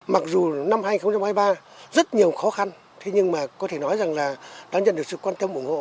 mặc dù năm hai nghìn hai mươi ba rất nhiều khó khăn thế nhưng mà có thể nói rằng là đã nhận được sự quan tâm ủng hộ